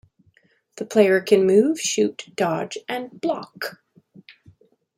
The player can move, shoot, dodge, and block.